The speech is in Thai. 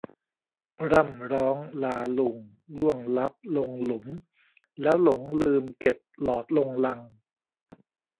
ร่ำร้องลาลุงล่วงลับลงหลุมแล้วหลงลืมเก็บหลอดลงลัง